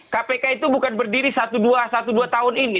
kpk itu bukan berdiri satu dua satu dua tahun ini